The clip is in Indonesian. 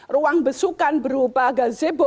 ruang besukan berupa gazebo